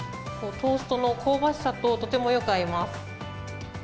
トーストの香ばしさととてもよく合います。